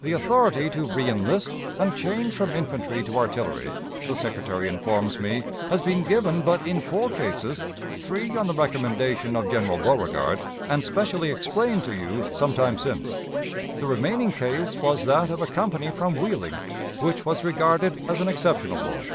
The authority to reënlist and change from infantry to artillery, the Secretary informs me, has been given but in four cases three on the recommendation of General Beauregard, and specially explained to you some time since; the remaining case was that of a company from Wheeling, which was regarded as an exceptional one.